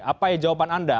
apa jawaban anda